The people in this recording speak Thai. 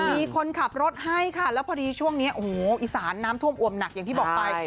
มีคนขับรถให้ค่ะแล้วพอดีช่วงนี้โอ้โหอีสานน้ำท่วมอวมหนักอย่างที่บอกไป